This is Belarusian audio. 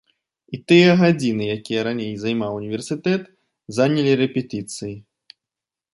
І тыя гадзіны, якія раней займаў універсітэт, занялі рэпетыцыі.